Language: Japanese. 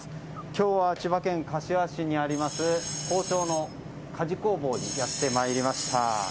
今日は千葉県柏市にある包丁の鍛冶工房にやってまいりました。